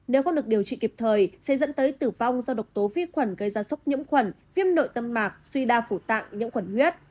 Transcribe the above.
nếu không được điều trị kịp thời sẽ dẫn tới tử vong do độc tố viết khuẩn gây ra sốc nhiễm khuẩn